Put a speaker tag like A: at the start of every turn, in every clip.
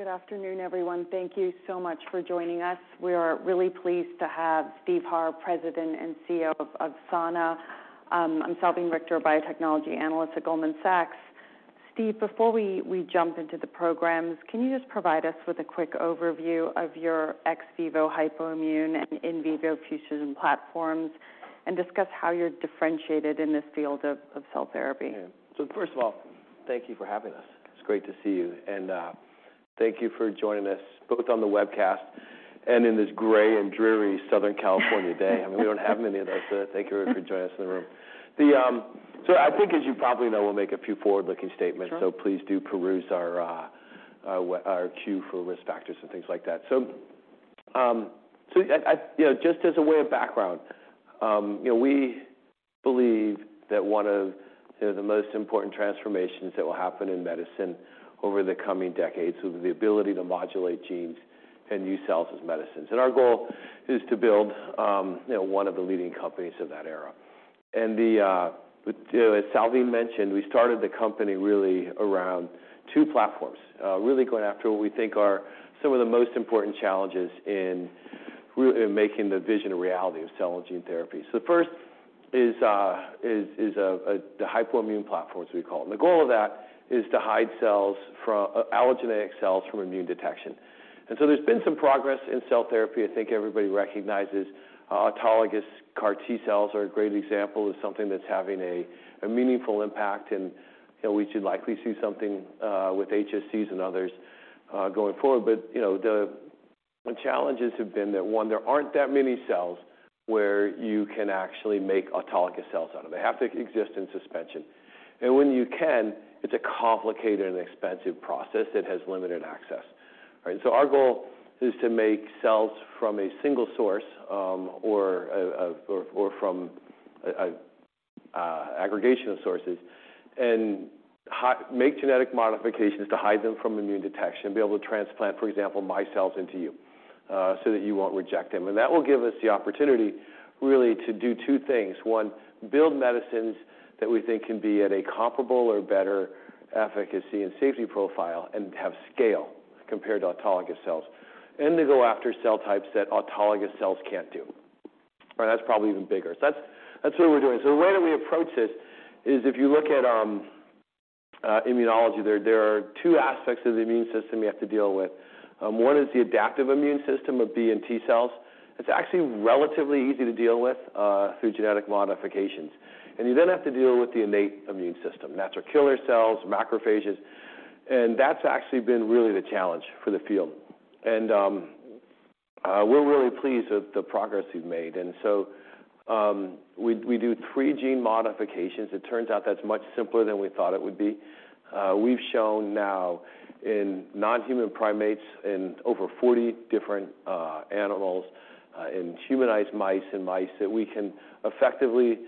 A: Good afternoon, everyone. Thank you so much for joining us. We are really pleased to have Steve Harr, President and CEO of Sana. I'm Salveen Richter, Biotechnology Analyst at Goldman Sachs. Steve, before we jump into the programs, can you just provide us with a quick overview of your ex vivo hypoimmune and in vivo fusion platforms, and discuss how you're differentiated in this field of cell therapy?
B: First of all, thank you for having us. It's great to see you and thank you for joining us, both on the webcast and in this gray and dreary Southern California day. I mean, we don't have many of those. Thank you for joining us in the room. I think, as you probably know, we'll make a few forward-looking statements.
A: Sure.
B: Please do peruse our Q for risk factors and things like that. I, you know, just as a way of background, you know, we believe that one of the most important transformations that will happen in medicine over the coming decades is the ability to modulate genes and use cells as medicines. Our goal is to build, you know, one of the leading companies of that era. As Salveen mentioned, we started the company really around two platforms, really going after what we think are some of the most important challenges in making the vision a reality of cell and gene therapy. The first is the hypoimmune platform, as we call it. The goal of that is to hide cells from, allogeneic cells from immune detection. There's been some progress in cell therapy. I think everybody recognizes autologous CAR T-cells are a great example of something that's having a meaningful impact, and we should likely see something with HSCs and others going forward. You know, the challenges have been that, one, there aren't that many cells where you can actually make autologous cells out of. They have to exist in suspension. When you can, it's a complicated and expensive process that has limited access, right? Our goal is to make cells from a single source, or from a aggregation of sources, make genetic modifications to hide them from immune detection, be able to transplant, for example, my cells into you, so that you won't reject them. That will give us the opportunity really to do two things. One, build medicines that we think can be at a comparable or better efficacy and safety profile and have scale compared to autologous cells. To go after cell types that autologous cells can't do. That's probably even bigger. That's what we're doing. The way that we approach this is, if you look at immunology, there are two aspects of the immune system you have to deal with. One is the adaptive immune system of B and T cells. It's actually relatively easy to deal with through genetic modifications. You then have to deal with the innate immune system, natural killer cells, macrophages, and that's actually been really the challenge for the field. We're really pleased with the progress we've made. We do three gene modifications. It turns out that's much simpler than we thought it would be. We've shown now in non-human primates, in over 40 different animals, in humanized mice and mice, that we can effectively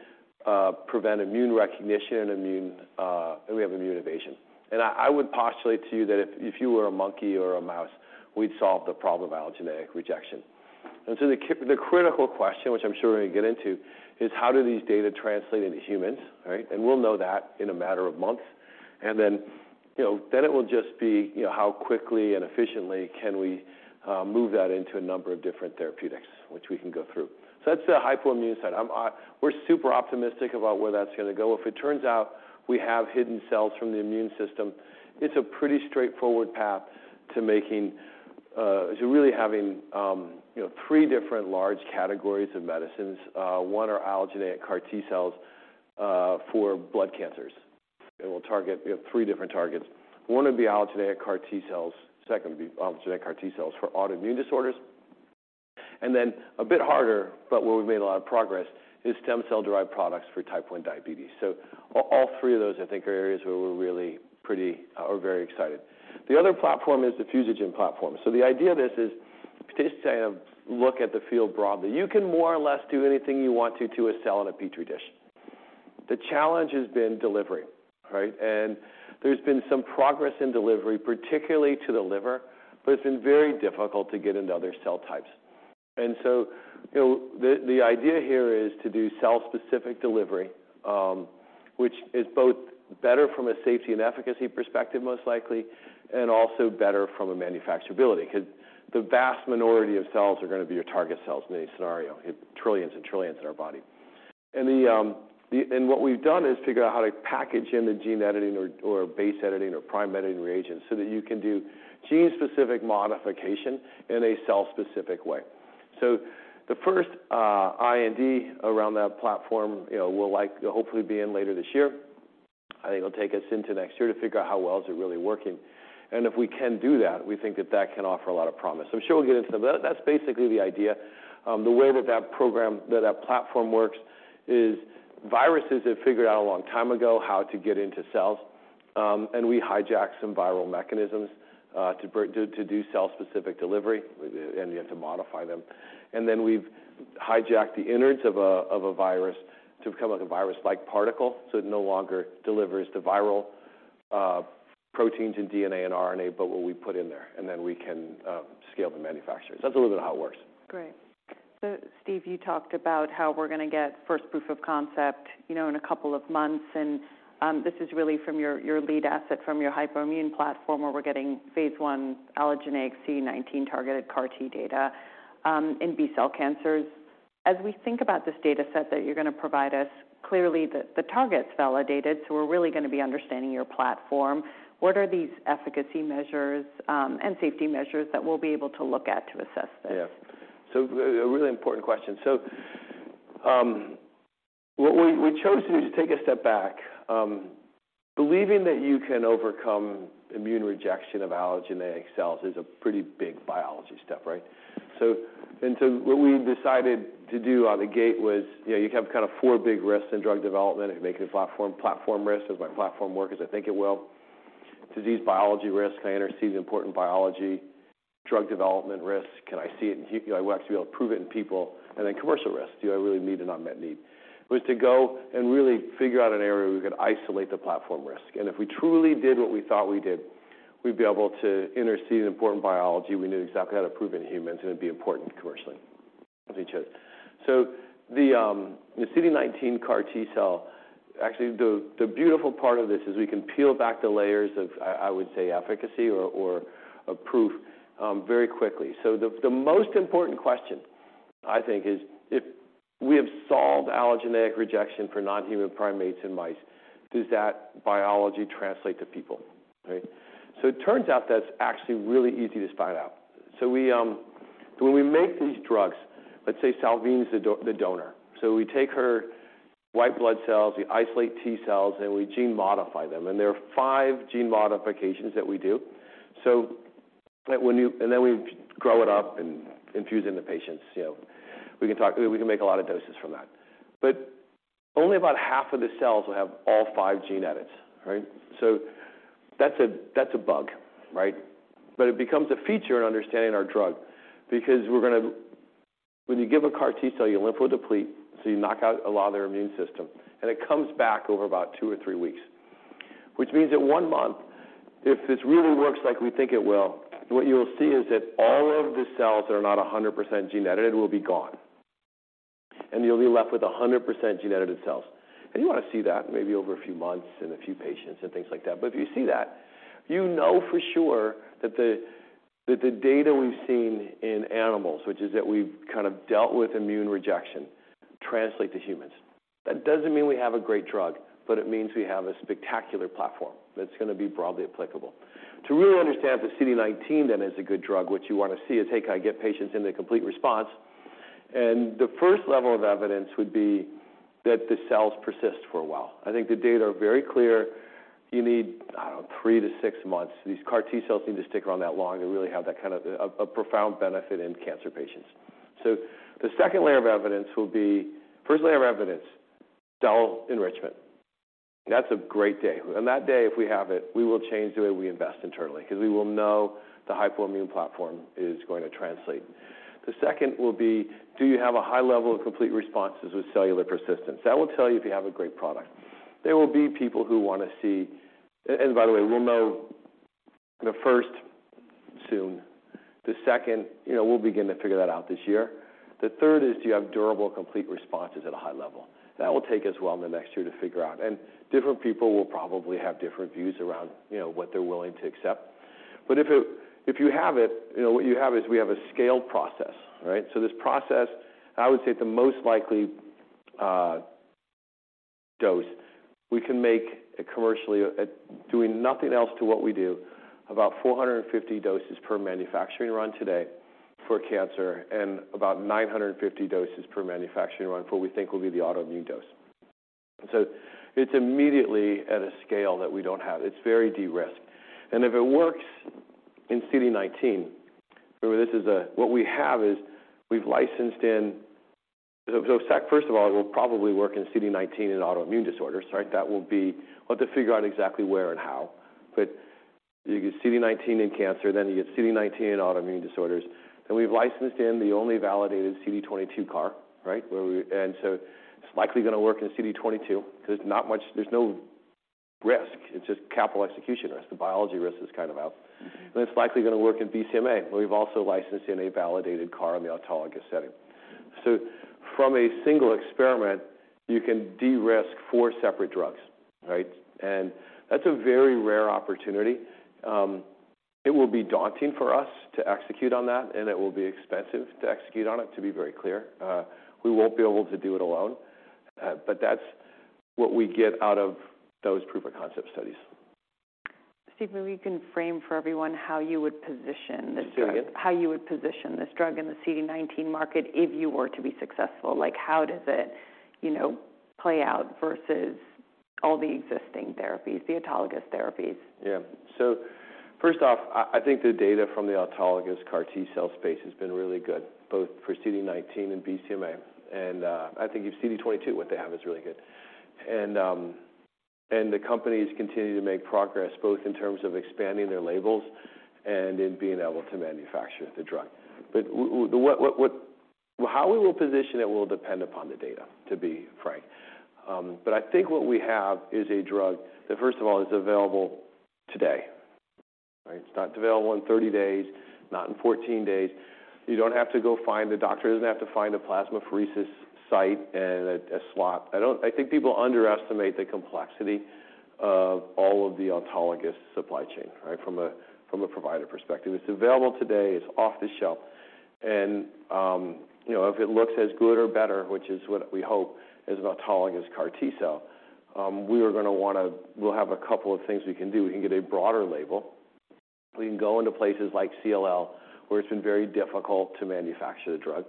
B: prevent immune recognition, immune and we have immune evasion. I would postulate to you that if you were a monkey or a mouse, we'd solve the problem of allogeneic rejection. The critical question, which I'm sure we're going to get into, is how do these data translate into humans, right? We'll know that in a matter of months. Then, you know, then it will just be, you know, how quickly and efficiently can we move that into a number of different therapeutics, which we can go through. That's the hypoimmune side. I'm we're super optimistic about where that's gonna go. If it turns out we have hidden cells from the immune system, it's a pretty straightforward path to making, to really having, you know, three different large categories of medicines. One are allogeneic CAR T-cells for blood cancers. We'll target, we have three different targets. One would be allogeneic CAR T-cells. Second would be allogeneic CAR T-cells for autoimmune disorders. Then a bit harder, but where we've made a lot of progress, is stem cell-derived products for type 1 diabetes. All three of those, I think, are areas where we're really pretty or very excited. The other platform is the fusogen platform. The idea of this is just to have a look at the field broadly. You can more or less do anything you want to a cell in a petri dish. The challenge has been delivery, right? There's been some progress in delivery, particularly to the liver, but it's been very difficult to get into other cell types. The idea here is to do cell-specific delivery, which is both better from a safety and efficacy perspective, most likely, and also better from a manufacturability, 'cause the vast minority of cells are gonna be your target cells in any scenario, trillions and trillions in our body. What we've done is figure out how to package in the gene editing or base editing or prime editing reagents so that you can do gene-specific modification in a cell-specific way. The first IND around that platform, you know, will like, hopefully be in later this year. I think it'll take us into next year to figure out how well is it really working. If we can do that, we think that that can offer a lot of promise. I'm sure we'll get into that. That's basically the idea. The way that that program, that that platform works is viruses have figured out a long time ago how to get into cells, and we hijack some viral mechanisms to do cell-specific delivery, and you have to modify them. Then we've hijacked the innards of a virus to become like a virus-like particle, so it no longer delivers the viral proteins and DNA and RNA, but what we put in there, and then we can scale the manufacturer. That's a little bit how it works.
A: Great. Steve, you talked about how we're going to get first proof of concept, you know, in a couple of months, and this is really from your lead asset from your hypoimmune platform, where we're getting phase I allogeneic CD19 targeted CAR T data in B cell cancers. As we think about this data set that you're going to provide us, clearly the target's validated, so we're really going to be understanding your platform. What are these efficacy measures and safety measures that we'll be able to look at to assess this?
B: Yeah. A really important question. What we chose to do is take a step back. Believing that you can overcome immune rejection of allogeneic cells is a pretty big biology step, right? What we decided to do out of the gate was, you know, you have kind of four big risks in drug development and making a platform. Platform risk. Does my platform work as I think it will? Disease biology risk. Can I intercede important biology? Drug development risk. Can I see it and actually be able to prove it in people? Commercial risk. Do I really need an unmet need? Was to go and really figure out an area where we could isolate the platform risk, and if we truly did what we thought we did, we'd be able to intercede an important biology. We knew exactly how to prove in humans, and it'd be important commercially. The CD19 CAR T cell. Actually, the beautiful part of this is we can peel back the layers of, I would say, efficacy or proof, very quickly. The most important question, I think, is if we have solved allogeneic rejection for non-human primates and mice, does that biology translate to people, right? It turns out that's actually really easy to find out. We, when we make these drugs, let's say Salveen's the donor. We take her white blood cells, we isolate T cells, and we gene modify them. There are five gene modifications that we do. When you and then we grow it up and infuse it in the patients, you know, we can talk, we can make a lot of doses from that, but only about half of the cells will have all 5 gene edits, right? That's a bug, right? It becomes a feature in understanding our drug because we're gonna. When you give a CAR T cell, you lymphodeplete, you knock out a lot of their immune system, and it comes back over about two or three weeks, which means at one month, if this really works like we think it will, what you will see is that all of the cells that are not 100% gene edited will be gone, and you'll be left with 100% gene edited cells. You want to see that maybe over a few months in a few patients and things like that. If you see that, you know for sure that the data we've seen in animals, which is that we've kind of dealt with immune rejection, translate to humans. That doesn't mean we have a great drug, but it means we have a spectacular platform that's going to be broadly applicable. To really understand if the CD19 then is a good drug, what you want to see is, hey, can I get patients into complete response? The first level of evidence would be that the cells persist for a while. I think the data are very clear. You need, I don't know, three to six months. These CAR T cells need to stick around that long to really have that kind of a profound benefit in cancer patients. The second layer of evidence will be. First layer of evidence, cell enrichment. That's a great day. That day, if we have it, we will change the way we invest internally because we will know the hypoimmune platform is going to translate. The second will be, do you have a high level of complete responses with cellular persistence? That will tell you if you have a great product. There will be people who want to see... By the way, we'll know the first soon, the second, you know, we'll begin to figure that out this year. The third is, do you have durable, complete responses at a high level? That will take us, well, in the next year to figure out, different people will probably have different views around, you know, what they're willing to accept. If you have it, you know, what you have is we have a scaled process, right? This process, I would say, the most likely dose we can make commercially, doing nothing else to what we do, about 450 doses per manufacturing run today for cancer and about 950 doses per manufacturing run for we think will be the autoimmune dose. It's immediately at a scale that we don't have. It's very de-risked. If it works in CD19, first of all, it will probably work in CD19 in autoimmune disorders. Right? That will be, we'll have to figure out exactly where and how. You get CD19 in cancer, then you get CD19 in autoimmune disorders, and we've licensed in the only validated CD22 CAR. Right? It's likely going to work in CD22 because there's not much, there's no risk. It's just capital execution risk. The biology risk is kind of out, and it's likely going to work in BCMA. We've also licensed in a validated CAR in the autologous setting. From a single experiment, you can de-risk four separate drugs, right? That's a very rare opportunity. It will be daunting for us to execute on that, and it will be expensive to execute on it, to be very clear. We won't be able to do it alone, but that's what we get out of those proof of concept studies.
A: Steve, maybe you can frame for everyone how you would position this?
B: Say again?
A: How you would position this drug in the CD19 market if you were to be successful? Like, how does it, you know, play out versus all the existing therapies, the autologous therapies?
B: First off, I think the data from the autologous CAR T cell space has been really good, both for CD19 and BCMA. I think in CD22, what they have is really good. The companies continue to make progress, both in terms of expanding their labels and in being able to manufacture the drug. How we will position it will depend upon the data, to be frank. I think what we have is a drug that, first of all, is available today. Right? It's not available in 30 days, not in 14 days. You don't have to go find, the doctor doesn't have to find a plasmapheresis site and a slot. I think people underestimate the complexity of all of the autologous supply chain, right? From a provider perspective. It's available today, it's off the shelf, and, you know, if it looks as good or better, which is what we hope, as an autologous CAR T cell, we'll have a couple of things we can do. We can get a broader label. We can go into places like CLL, where it's been very difficult to manufacture the drug.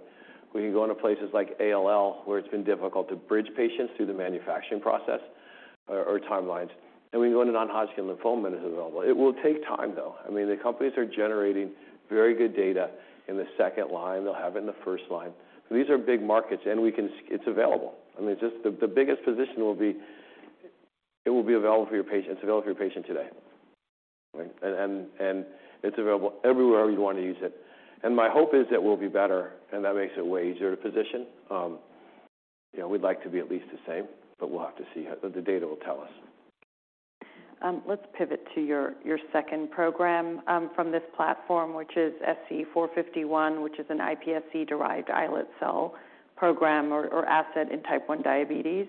B: We can go into places like ALL, where it's been difficult to bridge patients through the manufacturing process or timelines, and we can go into non-Hodgkin lymphoma that is available. It will take time, though. I mean, the companies are generating very good data in the second line, they'll have it in the first line. These are big markets, and it's available. I mean, just the biggest position will be, it will be available for your patient, it's available for your patient today, right? It's available everywhere you'd want to use it. My hope is it will be better, and that makes it way easier to position. You know, we'd like to be at least the same, we'll have to see. The data will tell us.
A: Let's pivot to your second program from this platform, which is SC451, which is an iPSC-derived islet cell program or asset in type 1 diabetes.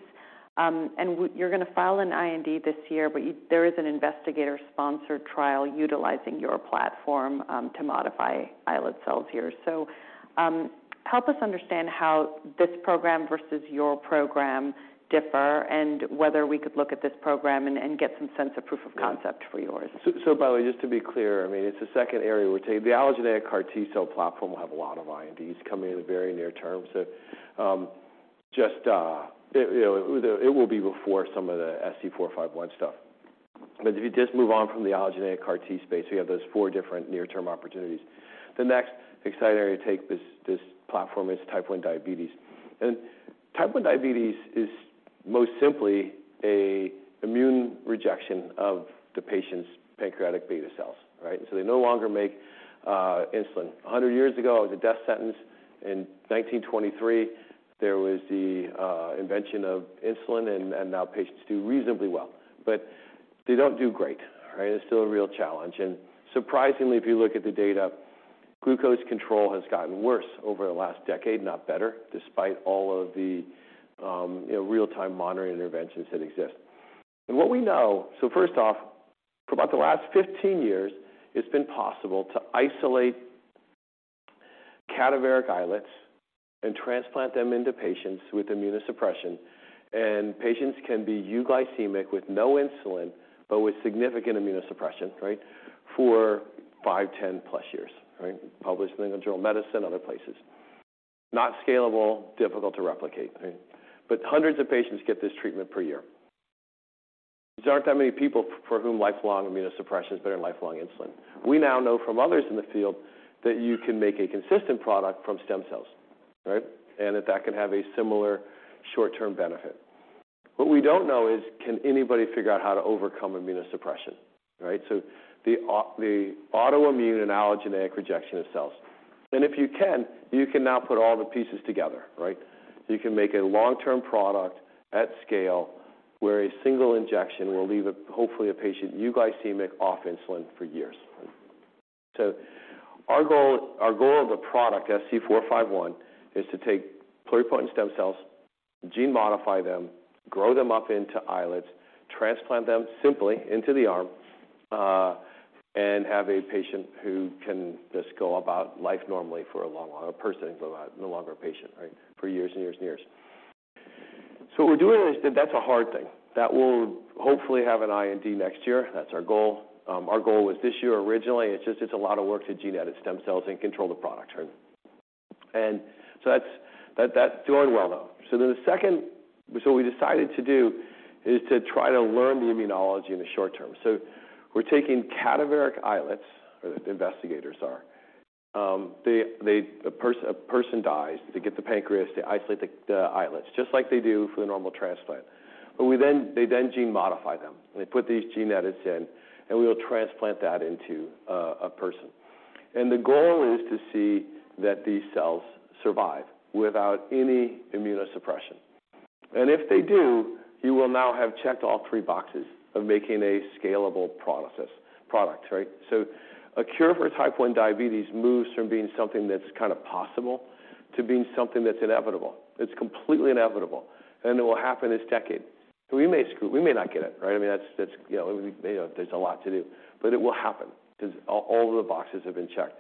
A: You're gonna file an IND this year, but there is an investigator-sponsored trial utilizing your platform to modify islet cells here. Help us understand how this program versus your program differ, and whether we could look at this program and get some sense of proof of concept for yours.
B: By the way, just to be clear, I mean, it's the second area. The allogeneic CAR T cell platform will have a lot of INDs coming in the very near term. Just, you know, it will be before some of the SC451 stuff. If you just move on from the allogeneic CAR T space, we have those four different near-term opportunities. The next exciting area to take this platform is type 1 diabetes. Type 1 diabetes is most simply a immune rejection of the patient's pancreatic beta cells, right? They no longer make insulin. 100 years ago, it was a death sentence. In 1923, there was the invention of insulin, and now patients do reasonably well, but they don't do great, right? It's still a real challenge. Surprisingly, if you look at the data, glucose control has gotten worse over the last decade, not better, despite all of the, you know, real-time monitoring interventions that exist. What we know, first off, for about the last 15 years, it's been possible to isolate cadaveric islets and transplant them into patients with immunosuppression, and patients can be euglycemic with no insulin, but with significant immunosuppression, right? For five, 10+ years. Right? Published in the Journal of Medicine, other places. Not scalable, difficult to replicate, right? Hundreds of patients get this treatment per year. There aren't that many people for whom lifelong immunosuppression is better than lifelong insulin. We now know from others in the field that you can make a consistent product from stem cells, right? That can have a similar short-term benefit. What we don't know is, can anybody figure out how to overcome immunosuppression, right? The autoimmune and allogeneic rejection of cells. If you can, you can now put all the pieces together, right? You can make a long-term product at scale, where a single injection will leave a, hopefully, a patient euglycemic off insulin for years. Our goal of the product, SC451, is to take pluripotent stem cells, gene modify them, grow them up into islets, transplant them simply into the arm, and have a patient who can just go about life normally for a long while, a person, no longer a patient, right, for years and years and years. What we're doing is, that's a hard thing. That will hopefully have an IND next year. That's our goal. Our goal was this year originally. It's just, it's a lot of work to gene-edit stem cells and control the product turn. That's doing well, though. What we decided to do is to try to learn the immunology in the short term. We're taking cadaveric islets, or the investigators are. A person dies, they get the pancreas, they isolate the islets, just like they do for the normal transplant. They then gene modify them. They put these gene edits in, and we will transplant that into a person. The goal is to see that these cells survive without any immunosuppression. If they do, you will now have checked all three boxes of making a scalable product, right? A cure for type 1 diabetes moves from being something that's kind of possible to being something that's inevitable. It's completely inevitable, and it will happen this decade. We may not get it, right? I mean, that's, you know, there's a lot to do, but it will happen 'cause all of the boxes have been checked.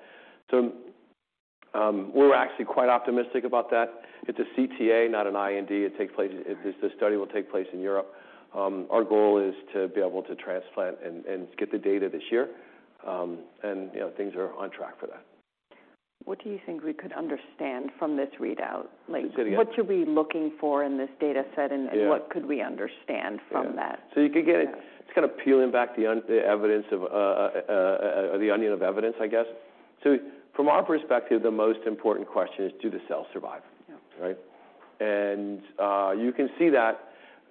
B: We're actually quite optimistic about that. It's a CTA, not an IND. It takes place. This study will take place in Europe. Our goal is to be able to transplant and get the data this year. And, you know, things are on track for that.
A: What do you think we could understand from this readout? Like-
B: Good yeah.
A: What should we be looking for in this data set?
B: Yeah
A: What could we understand from that?
B: Yeah. you could get it's kind of peeling back the evidence of, the onion of evidence, I guess. From our perspective, the most important question is, do the cells survive?
A: Yeah.
B: Right? You can see that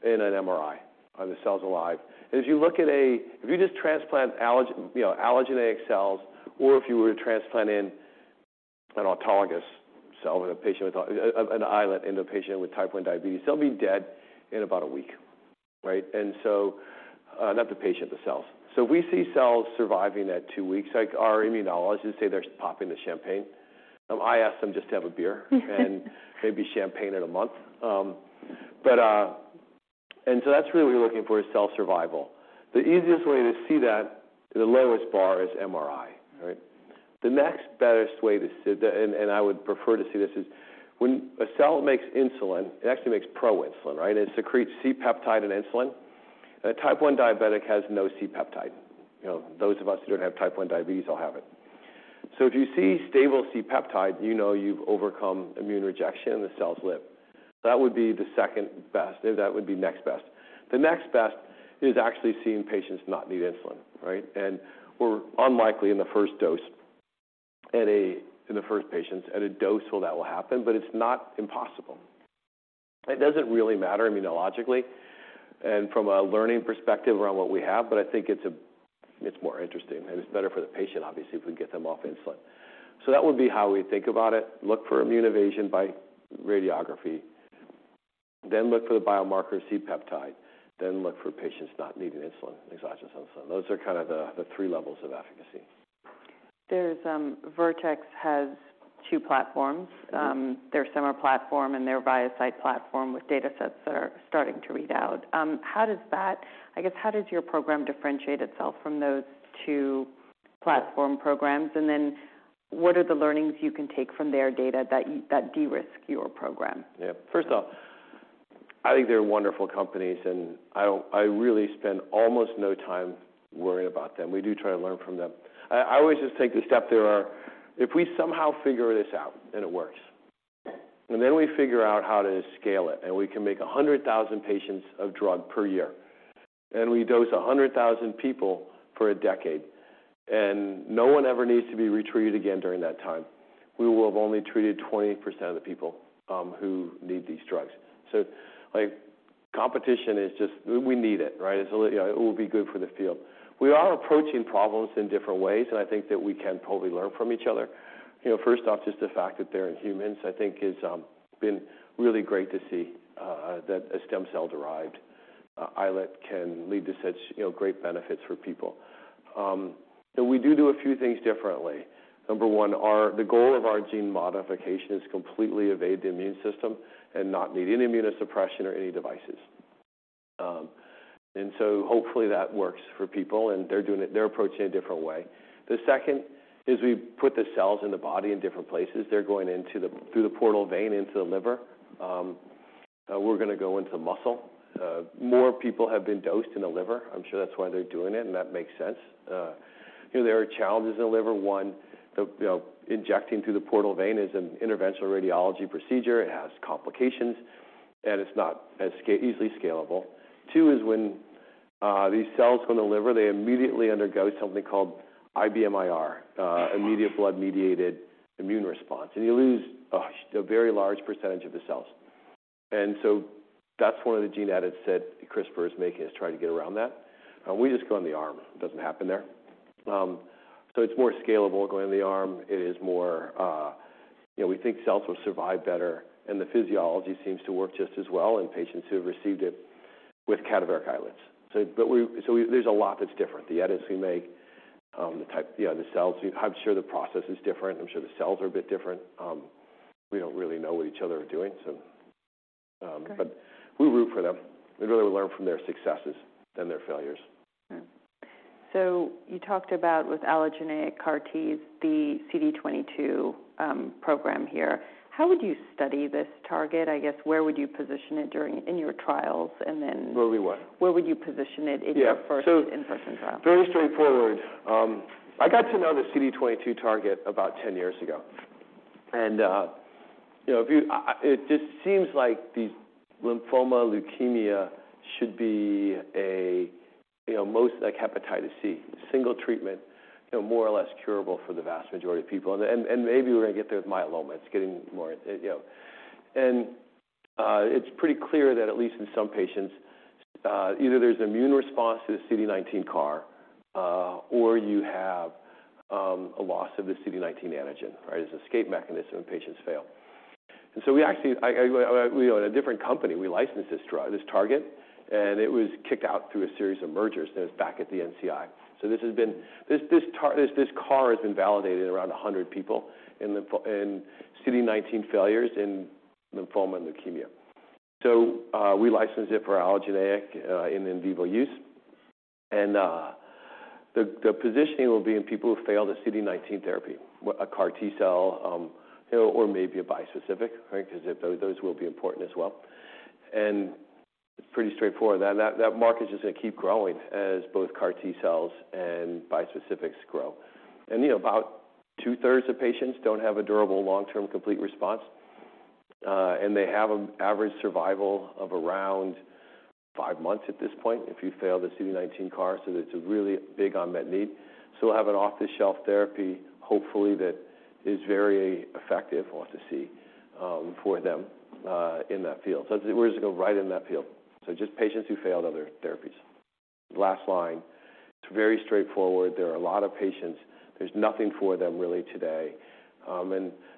B: in an MRI, are the cells alive. As you look at if you just transplant allog, you know, allogeneic cells, or if you were to transplant an autologous cell in a patient with an islet in a patient with type 1 diabetes, they'll be dead in about one week, right? Not the patient, the cells. We see cells surviving at two weeks. Like our immunologists say they're popping the champagne. I ask them just to have a beer and maybe champagne in one month. That's really what we're looking for, is cell survival. The easiest way to see that to the lowest bar is MRI. Right? The next best way to see that, and I would prefer to see this, is when a cell makes insulin, it actually makes proinsulin, right? It secretes C-peptide and insulin. A type 1 diabetic has no C-peptide. You know, those of us who don't have type 1 diabetes all have it. If you see stable C-peptide, you know you've overcome immune rejection, and the cells live. That would be the second best. That would be next best. The next best is actually seeing patients not need insulin, right? We're unlikely in the first dose in the first patients at a dose well, that will happen, but it's not impossible. It doesn't really matter immunologically and from a learning perspective around what we have, but I think it's more interesting and it's better for the patient, obviously, if we get them off insulin. That would be how we think about it. Look for immune evasion by radiography, then look for the biomarker C-peptide, then look for patients not needing insulin, exogenous insulin. Those are kind of the three levels of efficacy.
A: Vertex has two platforms.
B: Mm-hmm.
A: Their hypoimmune platform and their ViaCyte platform with data sets that are starting to read out. How does your program differentiate itself from those two platform programs? What are the learnings you can take from their data that de-risk your program?
B: Yeah. First off, I think they're wonderful companies, and I really spend almost no time worrying about them. We do try to learn from them. I always just take the step If we somehow figure this out and it works, and then we figure out how to scale it, and we can make 100,000 patients of drug per year, and we dose 100,000 people for a decade, and no one ever needs to be retreated again during that time, we will have only treated 20% of the people who need these drugs. Like, competition is just We need it, right? It's, it will be good for the field. We are approaching problems in different ways, and I think that we can probably learn from each other. You know, first off, just the fact that they're in humans, I think it's been really great to see that a stem cell-derived islet can lead to such, you know, great benefits for people. We do a few things differently. Number one, the goal of our gene modification is completely evade the immune system and not need any immunosuppression or any devices. Hopefully that works for people, they're approaching it a different way. The second is we put the cells in the body in different places. They're going through the portal vein into the liver. We're gonna go into muscle. More people have been dosed in the liver. I'm sure that's why they're doing it, and that makes sense. You know, there are challenges in the liver. One, the, you know, injecting through the portal vein is an interventional radiology procedure. It has complications, and it's not as easily scalable. Two is when these cells go in the liver, they immediately undergo something called IBMIR, immediate blood-mediated immune response, and you lose a very large percentage of the cells. That's one of the gene edits that CRISPR is making, is trying to get around that. We just go in the arm. It doesn't happen there. It's more scalable going in the arm. It is more... You know, we think cells will survive better, and the physiology seems to work just as well in patients who have received it with cadaveric islets. There's a lot that's different. The edits we make, the type, you know, the cells. I'm sure the process is different. I'm sure the cells are a bit different. We don't really know what each other are doing.
A: Okay.
B: We root for them. We really learn from their successes than their failures.
A: You talked about with allogeneic CAR T, the CD22 program here. How would you study this target? I guess, where would you position it in your trials, and then?
B: Where we what?
A: Where would you position it?
B: Yeah
A: your first in-person trial?
B: Very straightforward. I got to know the CD22 target about 10 years ago. You know, it just seems like these lymphoma leukemia should be a, you know, most like hepatitis C, single treatment, you know, more or less curable for the vast majority of people. Maybe we're going to get there with myeloma. It's getting more, you know... It's pretty clear that at least in some patients, either there's an immune response to the CD19 CAR, or you have a loss of the CD19 antigen. Right? It's an escape mechanism, and patients fail. So we actually, we, in a different company, we licensed this drug, this target, and it was kicked out through a series of mergers, and it's back at the NCI. This CAR has been validated in around 100 people in CD19 failures in lymphoma and leukemia. We licensed it for allogeneic in vivo use, and the positioning will be in people who failed a CD19 therapy, a CAR T-cell, you know, or maybe a bispecific, right? Because those will be important as well. Pretty straightforward. That market is just going to keep growing as both CAR T-cells and bispecifics grow. You know, about two-thirds of patients don't have a durable long-term complete response, and they have an average survival of around five months at this point, if you fail the CD19 CAR. It's a really big unmet need. We'll have an off-the-shelf therapy, hopefully, that is very effective, we'll have to see, for them in that field. Where does it go? Right in that field. Just patients who failed other therapies....last line. It's very straightforward. There are a lot of patients, there's nothing for them really today,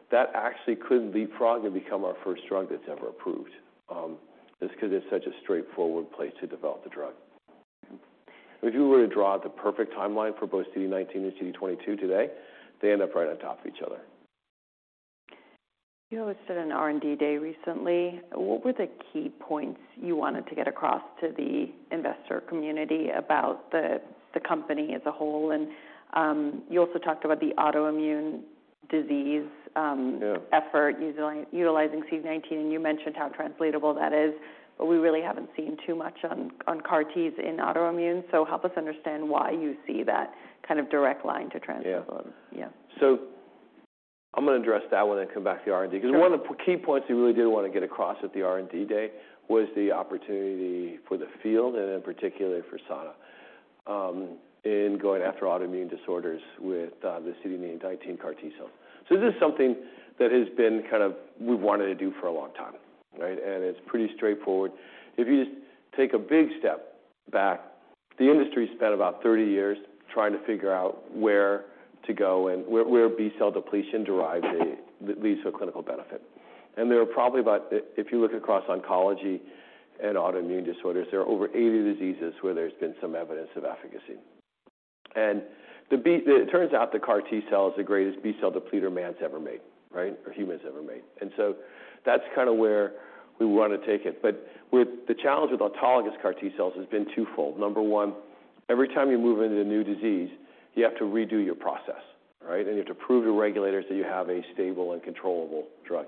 B: that actually could be probably become our first drug that's ever approved, just 'cause it's such a straightforward place to develop the drug. If you were to draw the perfect timeline for both CD19 and CD22 today, they end up right on top of each other.
A: You hosted an R&D day recently. What were the key points you wanted to get across to the investor community about the company as a whole? You also talked about the autoimmune disease.
B: Yeah
A: -effort utilizing CD19, and you mentioned how translatable that is, but we really haven't seen too much on CAR Ts in autoimmune. Help us understand why you see that kind of direct line to translate.
B: Yeah.
A: Yeah.
B: I'm gonna address that one and come back to the R&D.
A: Sure.
B: 'Cause one of the key points we really did want to get across at the R&D day was the opportunity for the field, and in particular for Sana, in going after autoimmune disorders with the CD19 CAR T cell. This is something that has been we've wanted to do for a long time, right? It's pretty straightforward. If you just take a big step back, the industry spent about 30 years trying to figure out where to go and where B cell depletion derives a, that leads to a clinical benefit. There are probably about, if you look across oncology and autoimmune disorders, there are over 80 diseases where there's been some evidence of efficacy. It turns out the CAR T cell is the greatest B-cell depleter man's ever made, right? Or humans ever made. That's kind of where we want to take it. The challenge with autologous CAR T cells has been twofold. Number one, every time you move into a new disease, you have to redo your process, right? You have to prove to regulators that you have a stable and controllable drug.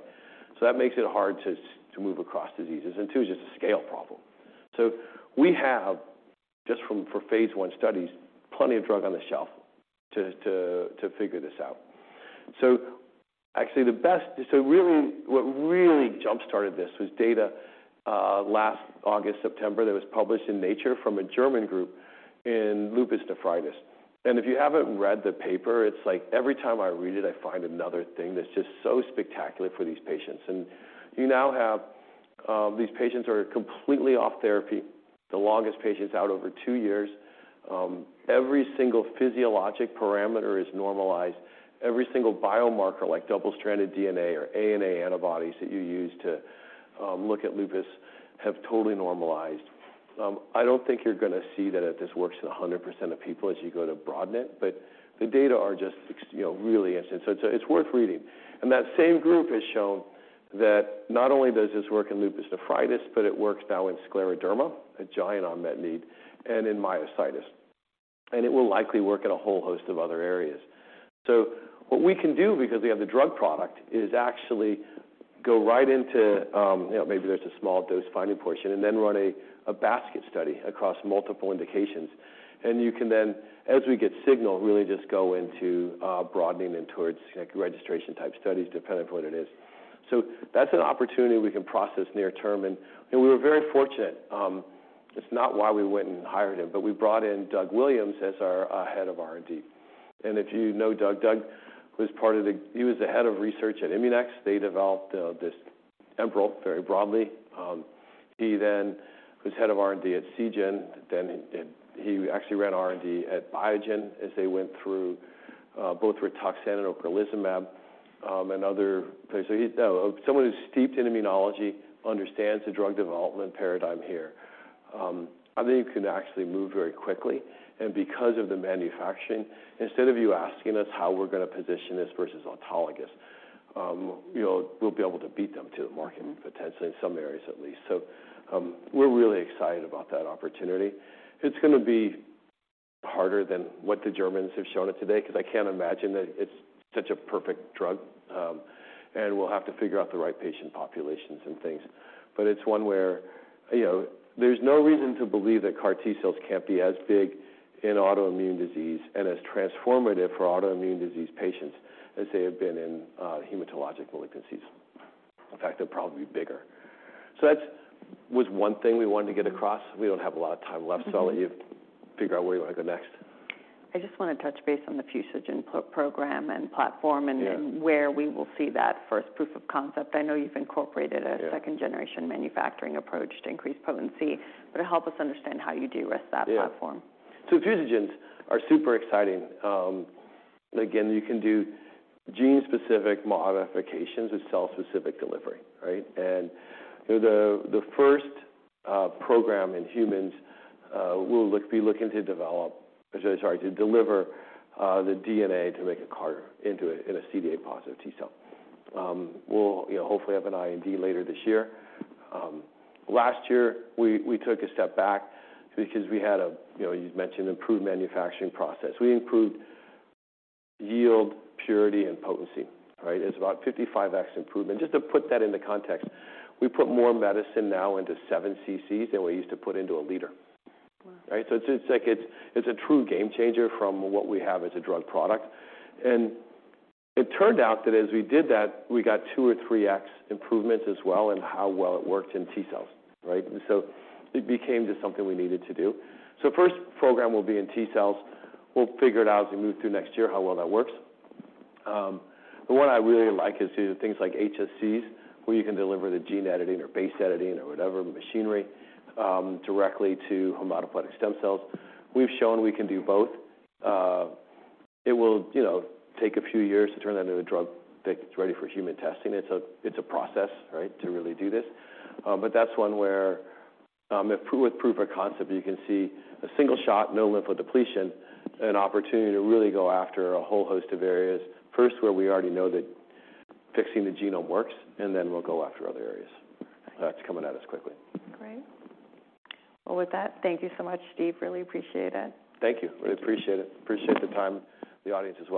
B: That makes it hard to move across diseases. Two, it's just a scale problem. We have, just from for phase I studies, plenty of drug on the shelf to figure this out. Really, what really jumpstarted this was data last August, September, that was published in Nature from a German group in lupus nephritis. If you haven't read the paper, it's like every time I read it, I find another thing that's just so spectacular for these patients. You now have these patients are completely off therapy, the longest patient's out over two years. Every single physiologic parameter is normalized. Every single biomarker, like double-stranded DNA or ANA antibodies that you use to look at lupus, have totally normalized. I don't think you're gonna see that this works in 100% of people as you go to broaden it, but the data are just you know, really interesting. It's worth reading. That same group has shown that not only does this work in lupus nephritis, but it works now in scleroderma, a giant unmet need, and in myositis. It will likely work in a whole host of other areas. What we can do, because we have the drug product, is actually go right into, you know, maybe there's a small dose finding portion, and then run a basket study across multiple indications. You can then, as we get signal, really just go into broadening them towards like registration type studies, depending on what it is. That's an opportunity we can process near term, and we were very fortunate. It's not why we went and hired him, but we brought in Doug Williams as our Head of R&D. If you know Doug, he was the Head of Research at Immunex. They developed this Enbrel very broadly. He then was Head of R&D at Seagen. He actually ran R&D at Biogen as they went through both Rituximab and Ocrelizumab and other things. He's someone who's steeped in immunology, understands the drug development paradigm here. I think you can actually move very quickly, and because of the manufacturing, instead of you asking us how we're gonna position this versus autologous, you know, we'll be able to beat them to the market, potentially in some areas at least. We're really excited about that opportunity. It's gonna be harder than what the Germans have shown it today, 'cause I can't imagine that it's such a perfect drug. We'll have to figure out the right patient populations and things, but it's one where, you know, there's no reason to believe that CAR T cells can't be as big in autoimmune disease and as transformative for autoimmune disease patients as they have been in hematologic malignancies. In fact, they'll probably be bigger. That's was one thing we wanted to get across. We don't have a lot of time left-
A: Mm-hmm.
B: I'll let you figure out where you want to go next.
A: I just want to touch base on the fusogen program and platform.
B: Yeah
A: Where we will see that first proof of concept? I know you've incorporated-
B: Yeah
A: A second-generation manufacturing approach to increase potency, but help us understand how you de-risk that platform?
B: Yeah. Fusogens are super exciting. Again, you can do gene-specific modifications with cell-specific delivery, right? The first program in humans, we'll be looking to deliver the DNA to make a CAR into a CD8-positive T cell. We'll, you know, hopefully have an IND later this year. Last year, we took a step back because we had a, you know, you've mentioned improved manufacturing process. We improved yield, purity, and potency, right? It's about 55x improvement. Just to put that into context, we put more medicine now into 7 cc than we used to put into 1 liter.
A: Wow!
B: Right? It's, like, it's a true game changer from what we have as a drug product. It turned out that as we did that, we got 2x or 3x improvements as well, in how well it worked in T cells, right? It became just something we needed to do. First program will be in T cells. We'll figure it out as we move through next year, how well that works. What I really like is, these are things like HSCs, where you can deliver the gene editing or base editing or whatever machinery, directly to hematopoietic stem cells. We've shown we can do both. It will, you know, take a few years to turn that into a drug that's ready for human testing. It's a, it's a process, right, to really do this. That's one where, if with proof of concept, you can see a single shot, no lymphodepletion, an opportunity to really go after a whole host of areas. First, where we already know that fixing the genome works, then we'll go after other areas. That's coming at us quickly.
A: Great. Well, with that, thank you so much, Steve. Really appreciate it.
B: Thank you. Really appreciate it. Appreciate the time, the audience as well.